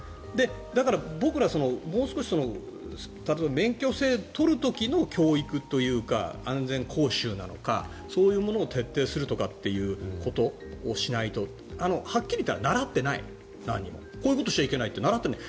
だから、もう少し免許を取る時の教育というか安全講習なのかそういうものを徹底するのかっていうことをしないとはっきり言ったら習っていない何も。こういうことをしちゃいけないって習っていない。